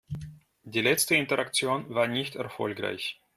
Die letzte Interaktion war nicht erfolgreich.